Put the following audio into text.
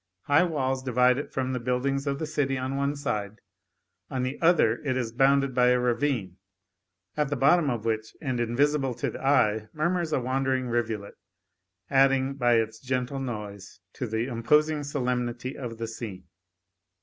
High walls divide it from the buildings of the city on one side; on the other it is bounded by a ravine, at the bottom of which, and invisible to the eye, murmurs a wandering rivulet, adding, by its gentle noise, to the imposing solemnity of the scene.